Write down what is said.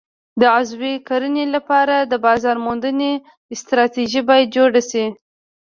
د عضوي کرنې لپاره د بازار موندنې ستراتیژي باید جوړه شي.